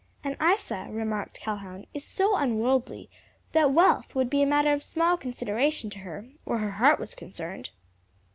"And Isa," remarked Calhoun, "is so unworldly that wealth would be a matter of small consideration to her where her heart was concerned."